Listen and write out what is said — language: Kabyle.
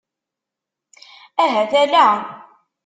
Ahat ala.